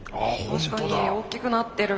確かに大きくなってる。